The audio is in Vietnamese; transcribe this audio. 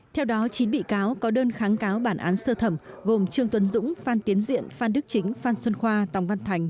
theo đó chín bị cáo có đơn kháng cáo bản án sơ thẩm gồm trương tuấn dũng phan tiến diện phan đức chính phan xuân khoa tòng văn thành